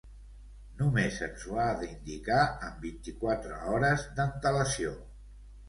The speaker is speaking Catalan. Només ens ho ha d'indicar amb vint-i-quatre hores d'antelació.